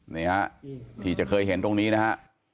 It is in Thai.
นี่ฮะที่จะเคยเห็นตรงนี้นะฮะ